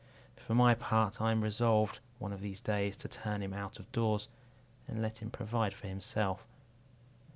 For my part, I am resolved, one of these days, to turn him out of doors, and let him provide for himself."